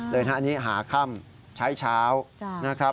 เลยนะอันนี้หาค่ำใช้เช้านะครับ